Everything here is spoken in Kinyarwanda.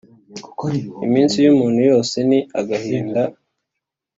Iminsi yumuntu yose ni agahinda